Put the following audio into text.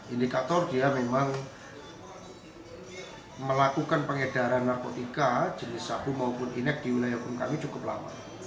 indikator dia memang melakukan pengedaran narkotika jenis sabu maupun inek di wilayah hukum kami cukup lama